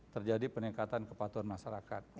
terjadi peningkatan kepatuan masyarakat